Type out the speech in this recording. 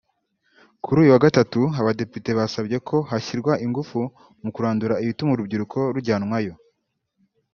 Kuri uyu wa Gatatu Abadepite basabye ko hashyirwa ingufu mu kurandura ibituma urubyiruko rujyanwayo